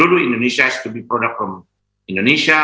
lulu di indonesia harus menjadi produk dari indonesia